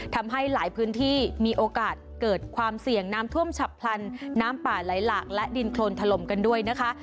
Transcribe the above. ทำให้หลายพื้นที่มีโอกาสเกิดความเสี่ยงน้ำท่วมฉับพลันน้ำป่าไหลหลากและดินโครนถล่มกันด้วยนะคะ